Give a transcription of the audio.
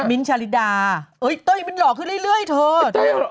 มิ้นชาฬิดาเอ้ยเต้ยมันหลอกขึ้นเรื่อยเรื่อยเถอะเต้ย